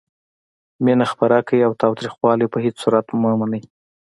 مینه خپره کړئ او تاوتریخوالی په هیڅ صورت مه منئ.